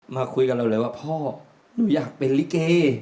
มาคุยกับเราเลยว่าพ่อหนูอยากเป็นลิเก